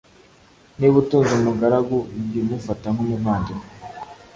Niba utunze umugaragu, jya umufata nk’umuvandimwe,